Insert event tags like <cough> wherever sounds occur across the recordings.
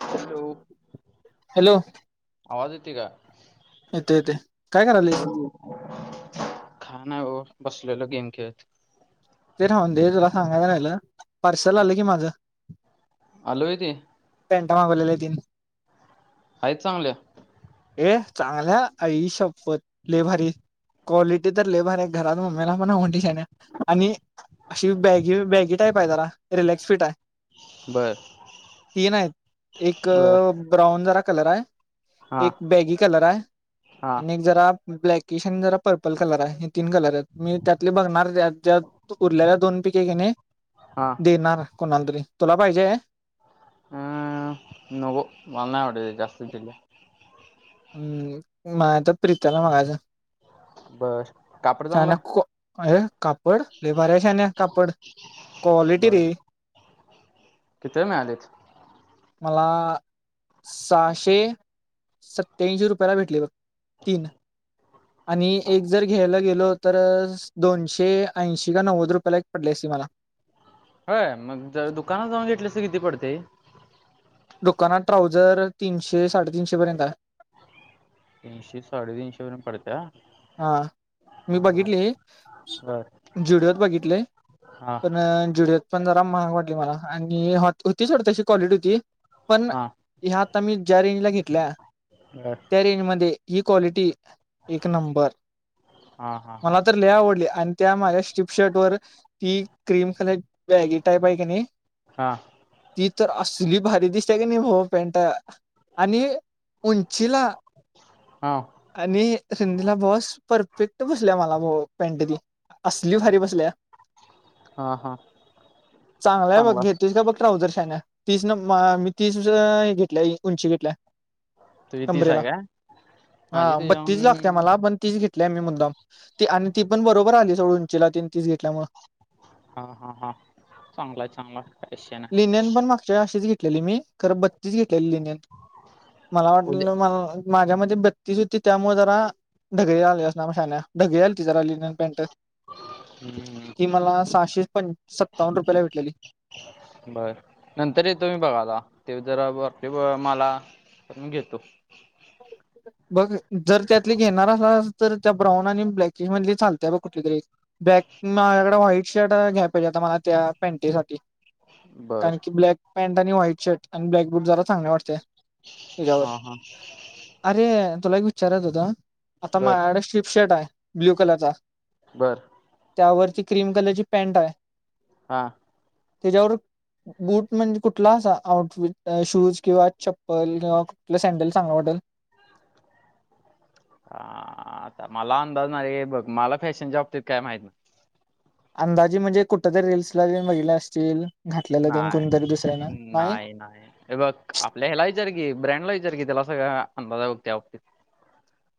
Hello! ! Hello! येतो, येतो काय करायलस? काय ना व बसलेलो गेम खेळत. ते राहुदे दे तुला सांगायचं राहिलं. पार्सल आलं कि माझ. आलो आहे ते पेंटा मागवलेल्या तीन. आहेतच चांगल्या. ये चांगल्या आई शपत लई भारी क्वालिटी तर लई भारी आहे. घरात मम्मीला पण आवडली शहाण्या आणि अशी बॅग बॅगीत टाईप आहे जरा रिलॅक्स फिट आहे बर तीन आहेत एक. बर ब्राऊन जरा कलर आहे. हा एक बॅगी कलर आहे. हा आणि एक जरा ब्लॅकिश आणि जरा पर्पल कलर आहे हे. तीन कलर आहेत मी त्यातले बघणार. ज्या उरल्याल्या दोन पिके घिने हा. देणार कोणाला तरी तुला पाहिजे? ह नकोमला नाही आवडत जास्त चड्ड्या. <unintelligible> अरे कापड लय बर कापड चांगला भारी आहे शहाण्या कापड क्वालिटी रे. किती मिळाले. मला सहाशे. सत्यांशी रुपयाला भेटली बघ तीन आणि एक जर घ्यायला गेलो, तर दोनशे ऐंशी का नव्वद रुपयाला एक पडली असती मला. होय मग जर दुकानात जाऊन घेतले तर किती पडते. दुकानात ट्राऊझर तीनशे साडेतीनशे पर्यंत आहे. तीनशे साडेतीनशे पर्यंत पडतंय का. हा मी बघितली बर झुडीयोत बघितलेय. हा पण जुडयोत. पण जरा महाग वाटली मला आणि होती सोड तशी क्वालिटी होती. पण हा ह्या आता मी ज्या रेंज ला घेतल्या. ब <inaudible> त्या रेंज मध्ये ही क्वालिटी एक नंबर हा हा हा मला तर लय आवडली आणि त्या माझ्या स्ट्रप शर्ट वर ती, क्रीम कलर ची बॅगी टाईप आहे की नाही. हा ती तर असली भारी दिसत्या की नाही भावा पँट. आणि उंचीला हा आणि रुंदीला बॉस परफेक्ट बसल्या मला भाऊ पॅन्ट ती असली भारी बसल्या. हा हा चांगला आहे बघ घेतोयस का बघ ट्राऊझर शान्या. तीस नंबर मी तीस घेतल्या उंची घेतल्या. तुझी तीस कंबरेला हाय काय? माझी हा तुझ्या बत्तीस लागत्या मला पण तीस घेत घेतल्या मी मुद्दाम ती आणि ती पण बरोबर आली सोड उंचीला तीन तीस घेतल्यामुळं. हा हा हा चांगलाय चांगलाय काय विषय नाय. ही अशीच घेतलेली मी खरं बत्तीस घेतलेली लिनियन मला वाटलं उद्या मला. माझ्या मते तर, तीस होती त्यामुळं जरा ढगळी आली असनार शाण्या ढगई आलती जरा लिनन पॅन्ट. ती हम्म मला सहाशे पं सत्तावन्न रुपयला भेटलेली. बर नंतर येतो मी बघायला, ते जरा वरती ब मला म्हणून गेलतो. बघ जर त्यातली घेणार असलास तर त्या ब्राऊन आणि ब्लॅकिश मधली चालत्या बघ कुठली तरी एक. ब्लॅक माझ्याकडं व्हाईट शर्ट घ्या पाहिजे आता मला त्या पँटीसाठी. बर कारण की ब्लॅक पँन्ट आणि व्हाईट शर्ट आणि ब्लॅक बूट जरा चांगलं वाटते. त्याच्यावर. हा हा. अरे तुला एक विचाराचं होतं. आता बर माझ्याकडं शिप शर्ट हाय ब्ल्यू कलरचा. बरं. त्यावरची क्रीम कलरची पॅन्ट हाय. हा हा तेज्यावर, बूट म्हणजे कुठला असा आउटफिट शूज किंवा चप्पल किंवा कुटला सँडेल चांगला वाटतंय. हा आता मला अंदाज नाहीये बघ मला फॅशनच्या बाबतीत काय माहित नाय. अंदाजे म्हणजे कुठं तरी रील्सला तेन बघितलं असचील घातल्यालं तेन कोणतरी दुसऱ्यानं नाही. ए नाये. हे बघ आपल्या हेला विचार की ब्रँडला विचार की त्याला सगळं अंदाज हाय बग त्या बाबतीत.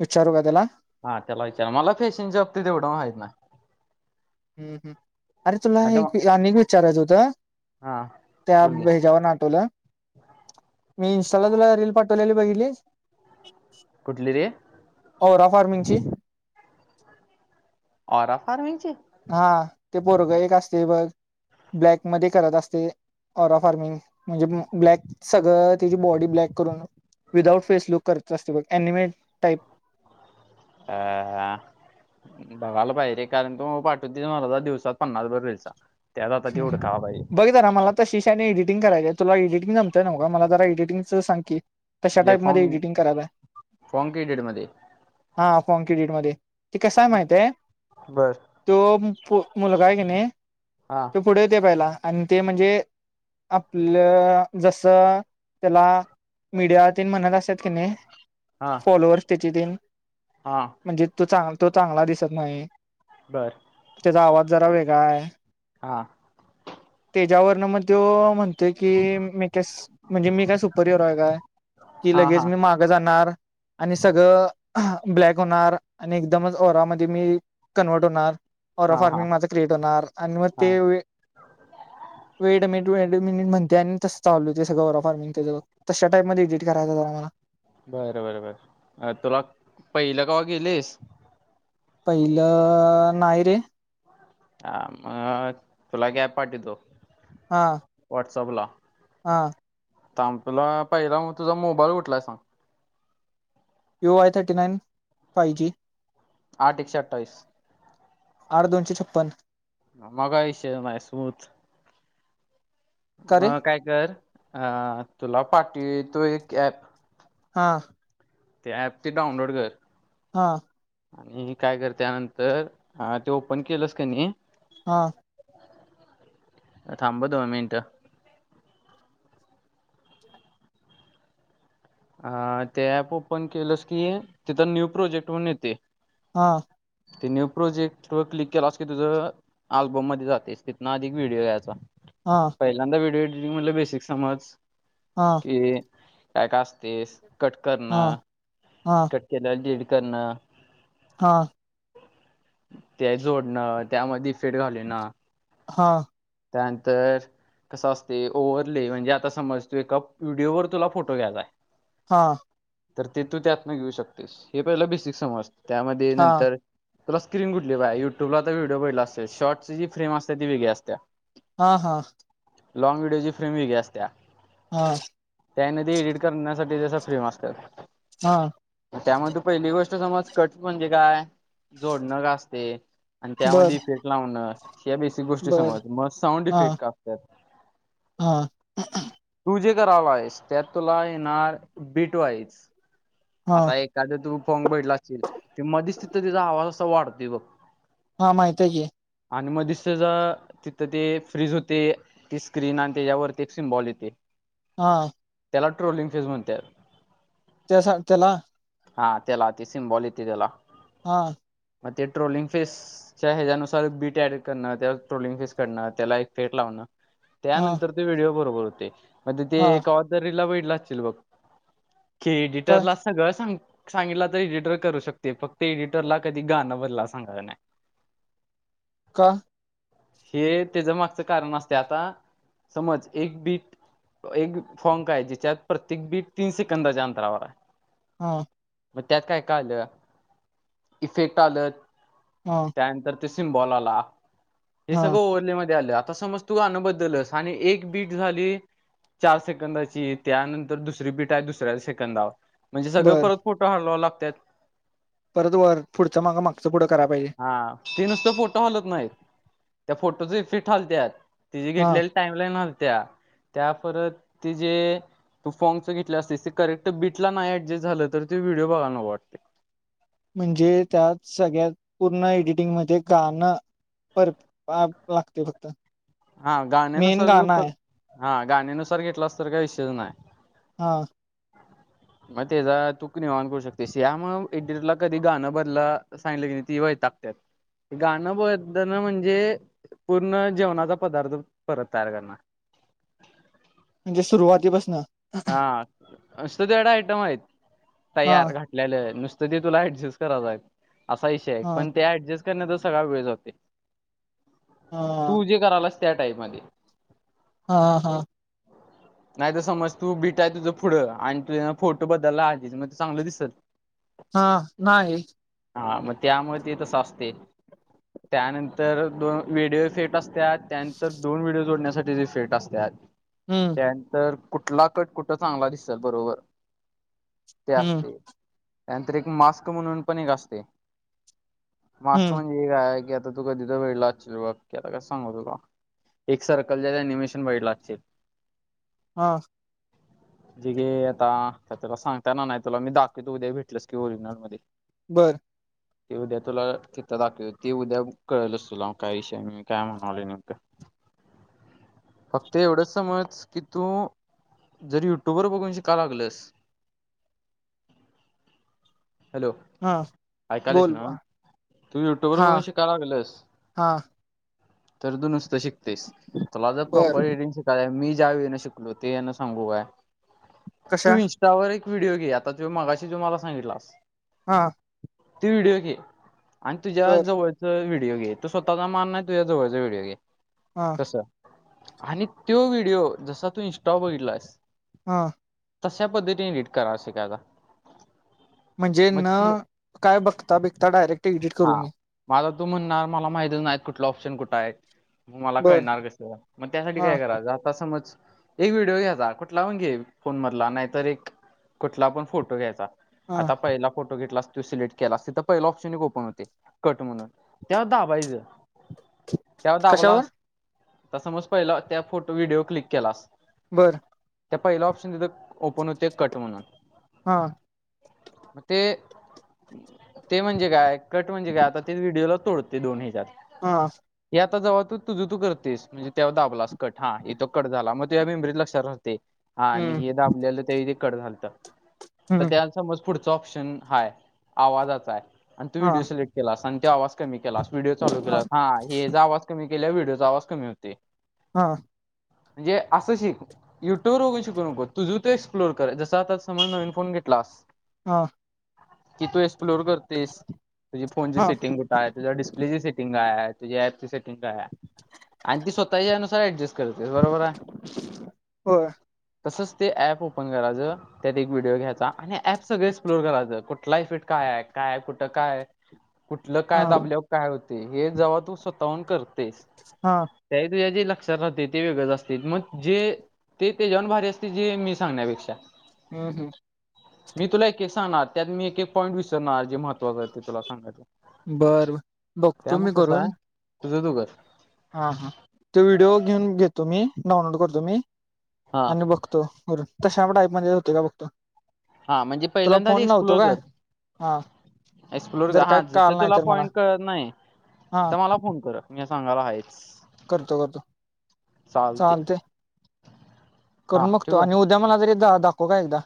विचारू काय तेला? हा तेला विचार मला फॅशनच्या बाबतीत एवढं माहित नाही. हम्म हम्म अरे तुला आता एक म- आणि एक विचारायचं होतं? हा त्या बोल की भेजावरनं आटवलं? मी इंस्टाला तुला रील पाठवलेली बघितलीस? कुठली रे! ओरा फार्मिंगची. औरा फारमिंगची. हा ते पोरगं एक असतय बघ ब्लॅक मध्ये करत असतंय? ओरा फार्मिंग म्हणजे ब्लॅक सगळं तेची बॉडी ब्लॅक करून? विदाऊट फेसलुक करचं असते बघ अनिमेट. टाईप <unintelligible> बघायला पाहिजे रे कारण तू पाठवतूय मर्दा दिवसात पन्नास भर रिल्सा. हम्म हम्म बघित जरा मला तशी श्यान्या इडिटिंग करायचाय तुला इडिटिंग जमतंय न्हवका मला जरा इडिटिंगचं सांग की? तशा म्हणजे टाईपमध्ये फॉर्म एडिटिंग करायचाय? फॉर्म क्रेडिट मध्ये हा फॉर्म कडिट मध्ये ते कसय माहित आहे? बर तो मुलगा आहे की नाही? हा. तो पुढे ते पहिला आणि ते म्हणजे आपलं जस त्याला मीडिया तेन म्हणत असल क नाही हा फॉलोअर्स त्याचे तेन. हा. म्हणजे तो चांग तो चांगला दिसत नाही. बरं. त्याचा आवाज जरा वेगळा आहे. हा. त्याच्यावरन मग त्यो म्हणतोय की मी का म्हणजे मी काय सुपर हिरो आहे काय. की हा लगेच हा मी मागं जाणार. आणि सगळं ब्लॅक होणार आणि एकदमच ओरामध्ये मी कन्वर्ट होणार ओरा हा हा फार्मिंग माझं क्रिएट होणार आणि मग हा ते वि वेड मिट वेमिट म्हणते आणि तसं चालू तें गौराव फारमिंग. तशा टाईपमध्ये एडिट करायचा बघा जरा. बरं बर बर तुला पहिलं कवा केलयस. पहिलं नाही रे! ह मग तुला ॲप पाठिवतो? हा. व्हॉट्सअपला. हा. सांग तुला पहिला म तुझा मोबाईल कूठलाय सांग U Y thirty nine five G. आठ एकशे अठ्ठावीस. आठ दोनशे छप्पन हा म काय विषयच नाही स्मूथ का रे म काय कर अ तुला पाठीव त्यो एक ॲप हा ते ॲप ते डाउनलोड कर. हा आणि काय कर त्यानंतर ते ओपन केलंस कनी हा थांब ह दोन मिनिटं हा ते ऍप ओपन केलंस की तिथं न्यू प्रोजेक्ट म्हणून येतय हा ते न्यू प्रोजेक्ट वर क्लिक केलास की तुझं अल्बम मध्ये जातेस तिथंन अधिक व्हिडिओ घ्यायचा. हा पहिल्यांदा व्हडिओ एडिटिंगमधल बेसिक समज. हा ते काय काय असतेस कट हा करणं हा कट केलेलं डिलीट करण. हा ते जोडणं त्यामध्ये फेट घालीवन. हा त्यानंतर कसं असतय ओवर लय म्हणजे आता समज तू एका व्हिडिओ वर तुला फोटो घ्यायचाय हा तर ते तू त्यातनं घेऊ शकतेस हे पहिल बेसिक समज त्यामध्ये नंतर तुला स्क्रीन कुठली पाहिजे युट्यब ला तर व्हिडिओ बहितला असल शॉर्टची जी फेम असते ते वेगळी असत्या. हा हा लाँग व्हडिओची फ्रेम वेगळी असत्या. हा त्या हेन ते एडिट करण्यासाठी जस फ्रेम असत्यात. हा त्यामध्ये पहिली गोष्ट समज कट म्हणजे काय जोडणं काय असतय. आणि त्यामध्ये बर इफ्फेक्ट लावणं हेे बेसिक ती गोष्टी बर समज मग साउंड हा इफेक्ट का असत्यात. हा तू जे करालायस त्यात तुला येणार बीट वाईज. हा आता एखाद तु फोंग बगीतला असशील ते मधीच तिथं तेजा आवाज असा वाढतोय बग. हा माहितीय की. आणि मधीच त्याच तिथं ते फ्रीज होते. ती स्क्रीन आणि त्याच्यावरती एक सिम्बॉल येतय. हा त्याला ट्रोलिंग फेज म्हणत्यात. तेसा त्याला हा त्याला ते सिमबॉल येते त्याला. हा मग ते ट्रोलिंग फेस त्याह्याच्यानुसार बीट ऍड करणं त्याला ट्रोलिंग फेस करणं त्याला इफेक्ट लावणं. हा त्यानंतर ते व्हिडिओ बरोबर होते मग तिथे हा कवा तरी रिलला बघितला असशील बघ. की का एडिटरला सगळं सांग सांगितलं तर एडिटर करू शकते फक्त एडिटरला कधी गाणं बदला सांगाय नाही. का? हे त्याच्या मागचं कारण असते आता समज, एक बीट. एक फॉक, काय आहे जिच्यात प्रत्येक बीट, तीन सेकंदाच्या अंतरावर आहे. हा. मग त्यात काय काढलं इफेक्ट आलं. हा. त्यानंतर ते सिमबॉल आला हे हा सगळं ओरलीमध्ये आले आता समज तू आणू बद्दल आणि एक बीट झाली. चार सेकंदाची त्यानंतर दुसरी बीट आहे दुसऱ्या सेकंदावर. म्हणजे सगळें बर परत फोटो हालवाव लागत्यातं. परत वर पुढंच माग मागंच पुढं कराय पाहिजे. हा ती नुसत फोटो, हालत नाहीत. त्या फोटोच फिट हालत्यात ति जे हा घेतलेले. टामलाईन हालत्या. त्या परत ते जे तू फॉगच घेतले असते ते करेक्ट बिट. नाही ऍडजस्ट झालं तर ते विडिओ बघायला वाटते. म्हणजे त्यात सगळ्यात पूर्ण एडिटिंग मध्ये गाणं परत- लागते फक्त हा मेन गाणं गाण्यानुसार आहे - हा गाण्यानुसार घेतला तर काही विषयच नाही. हा. मग त्याचा तूक निवांत करू शकते. यामूळ एडिटला कधी गाणं बदला. सांगलं की नाही की वैतागत्यात गाणं बदलन म्हणजे पूर्ण जेवणाचा पदार्थ परत तयार करणार. म्हणजे, सुरुवातीपासनं. हा असं त्यात आयटम आहेत हा तयार घाट. ललं नुसतं ते तुला ऍडजस्ट कराचं असा विषय आहे हा पण ते ऍडजस्ट. त्यानं सगळा वेळजातंय हा तू जे करालास त्या टाईम मध्ये हा हा. नाही त समज. तू बिटाय तुझं पुढं आणि तुझ्या फोटो बदलयला हि मग त चांगलं दिसलं. हा नाही. हा मग त्यामुळे ते तस असते त्यानंतर दोन वडिओ फेट- असते. त्या त्यानंतर दोन व्हिडिओ जोडण्यासाठी ज फेट असतात. हम्म, त्या नंतर कुठला कट कुठ चांगला दिसल बरोबर ते हम्म असते. त्यानंतर एक मास्क म्हणून पण असते मास्क हम्म म्हण ठीक आहे की आता तू कधी तर वेळ लाचशील आता कस सांगू तुला. एक सर्कल ज एनिमेशन वईट लागे. हा. जे गे आता तुला सांगताना नाही तुला मी दाखवं तो उद्या भेटलस की ओरिजिनल मध्ये. बरं. ते उद्या तुला तिथं दाखव ते उद्या कळेलच तुला काय विषय मी काय म्हणावले नेमकं. <inaudible> फक्त एवढंच समज, की तू जरी युट्यूब वर बघून, शिका लागलस हॅलो? हा ऐकालेस बोल ना, तू युट्यूब वर हा बघून शिकाय लागेलस हा तर तु नुसतं शिकतेस, तुला जर बर प्रॉपर रिडिंग शिकायला, मी ज्या वे न शिकलो ते यांना सांगू का, कशा तुम्ही त्यावर एक व्हिडिओ घे, आता तु मगाशी जो माला सांगितलास. हां. ती व्हिडिओ घे, आन तुझ्या बर जवळ तो व्हिडिओ घे, तो स्वतचा मान नाही, तूझ्या जवळचा व्हिडीओ घे. हा. आणि तो व्हिडिओ, जसा तू इंस्टाव बघितलास. हं. तशा पद्धतीने निट करा, अश काय <unintelligible> म्हणजे न काय बघता-बीघता, डायरेक्ट एडिट करू मी माला तू म्हणणार, माला माहितीचं नाही, कुठलं ऑप्शन कुठं हाय. मग मला बर कळणार कसं, म त्यासाठी हा काय करायचं, आता समज एक व्हिडिओ घ्यायचा, कुठला पण घे, फोन मधला, नाहीतर एक कुठला पण फोटो घ्यायचा हा आता पहिला फोटो घेतलास तू सिलेक्ट केला, तर पहिला ऑप्शन ओपन होते, कट म्हणून, त्या दाबायजं. त्यावर कशावर दाबलास, त समज पहिलं, त्या फोटो व्हिडिओ क्लिक केलास. बरं. त्य पहिल ऑप्शन तिथं, ओपन होते, कट म्हणून. हां. म ते. ते म्हणजे काय? कट म्हणजे काय? आता ते व्हिडिओला तोडते, दोन ह्याच्यात. हा. हे आता जव्हा, तू तुझ तू करतेस, म्हणजे तेव्हा दाबलास, कट हा, हित कट झाला, म त्या मेमरीला लक्षात राहते, हा मी हम्म हे दाबलेलं ते कड झालत, आता हम्म त्या समज पुढचं ऑप्शन हाय, आवाजचाय, अन तो हा व्हिडिओ सिलेक्ट केला, असा त्या आवा कमी केलास, व्हिडिओ चालू हा केलास, हां हे ज आवाज कमी केल्या, व्हिडिओचा आवाज कमी होते. हा. म्हणजे असं शिक, युट्यूर बगुन शिकू नको, तुझ ते एक्सप्लोर कर, जस आता समज नवीन फोन घेतलास, हा की तु एस एक्सप्लोअर करतेस, तुझी फोनची हा सेटिंग कुठ हाय, तुझ्या डिस्प्लेची सेटिंग हाय, तुझ्या ऍपची सेटिंग हाय आहे आणि ती स्वतःच्या अनुसार ऍडजस्ट करते, बरोबर आय? होय. तसंच, ते ॲप ओपन करायचं त्यात एक व्हिडिओ घ्यायचा <unintelligible> ऍप सगळं एक्सप्लोर करायचं, कुठला इफेट काय, काय, कुठं काय? कुठलं हा काय दाबल्यावर, काय होते? हे जेव्हा तु स्वतःहून करततेस हं. त्या, तुझ्या जे लक्षात राहते, ते वेगळंच असते, मग जे, ते तेच्याहून भारी असते, जे मी सांगण्यापेक्षा ह्म हं. मी तुला एक- एक सांगणार त्यात मी एक पॉईंट विसरणार जे महत्वाचं ते तुला सांगायच बरं बरं बघतो मी आहे करून तुझं तु कर हा हा ते व्हिडिओ घेऊन घेतो मी डाउनलोड करतो मी हा आणि बघतो तो तशा टाईपमध्ये होतोय का बघतो. हा म्हणजे तुला पहिल्यांदा आधी फोन लावतो एक्सप्लोर काय कर हा एक्सप्लोर जर कर हा काय जिथे कळालं नाही तुला तर मला पॉईंट कळत नाही हा तिथं मला फोन कर मी सांगायला आहेच. करतो करतो चालते चालतय हा करून बघतो ठेवू काय आणि उद्या मला तरी दाखव काय एकदा.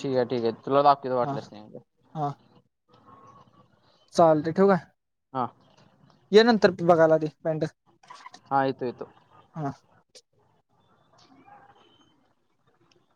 ठीक आहे ठीक आहे तुला दाखवीतो हा वाटल्यास मी चालतय ठेऊ काय? हा ये नंतर बघायला ते पॅन्ट हा येतो येतो. हा